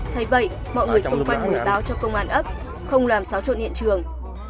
thay vậy mọi người xung quanh ngồi báo cho công an ấp không làm xáo trộn hiện trường